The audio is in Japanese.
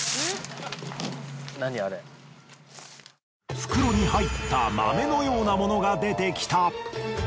袋に入った豆のようなものが出てきた。